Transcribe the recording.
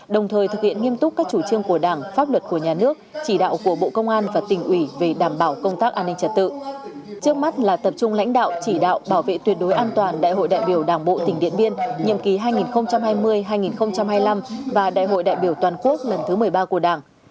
đồng thời khẳng định lực lượng y tế công an nhân dân nói chung